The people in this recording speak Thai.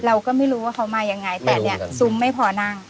เราก็ไม่รู้ว่าเขามายังไงแต่เนี่ยซุ้มไม่พอนั่ง